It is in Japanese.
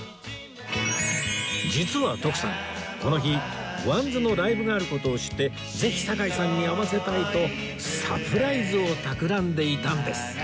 実は徳さんこの日ワンズのライブがある事を知ってぜひ堺さんに会わせたいとサプライズをたくらんでいたんです